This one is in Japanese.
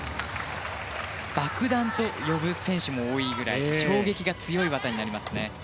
爆弾と呼ぶ選手も多いぐらい衝撃が強い技になりますね。